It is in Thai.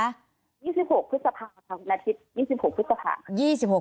๒๖พฤษภาค่ะวันอาทิตย์๒๖พฤษภา